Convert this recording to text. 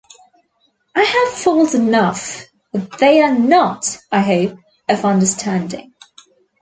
I have faults enough, but they are not, I hope, of understanding.